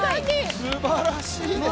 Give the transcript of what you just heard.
すばらしいですね！